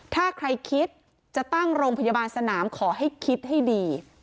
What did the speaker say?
ถ้าใครคิดจะตั้งโรงพยาบาลสนามขอให้คิดให้ดี